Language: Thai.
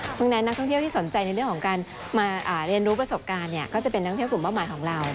เพราะฉะนั้นนักท่องเที่ยวที่สนใจในเรื่องของการมาเรียนรู้ประสบการณ์เนี่ยก็จะเป็นนักท่องเที่ยวกลุ่มเป้าหมายของเรา